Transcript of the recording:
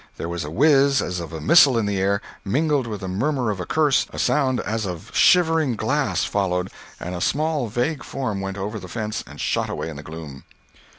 There was a whiz as of a missile in the air, mingled with the murmur of a curse, a sound as of shivering glass followed, and a small, vague form went over the fence and shot away in the gloom.